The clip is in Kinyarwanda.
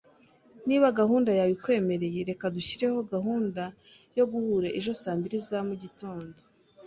Niba gahunda yawe ikwemereye, reka dushyireho gahunda yo guhura ejo saa mbiri za mugitondo.